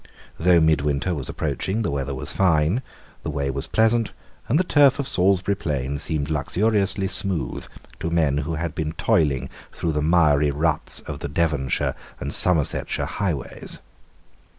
Though midwinter was approaching, the weather was fine; the way was pleasant; and the turf of Salisbury Plain seemed luxuriously smooth to men who had been toiling through the miry ruts of the Devonshire and Somersetshire highways.